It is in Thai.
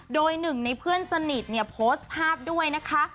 โดยหนึ่งในเพื่อนสนิทเนี่ยโพสต์ภาพด้วยนะคะ